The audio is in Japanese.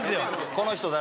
この人誰？